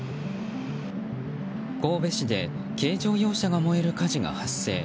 神戸市で軽乗用車が燃える火事が発生。